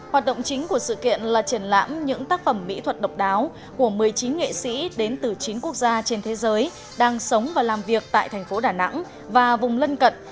hoạt động chính của sự kiện là triển lãm những tác phẩm mỹ thuật độc đáo của một mươi chín nghệ sĩ đến từ chín quốc gia trên thế giới đang sống và làm việc tại thành phố đà nẵng và vùng lân cận